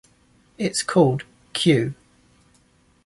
It is called "Kew".